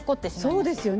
そうですよね。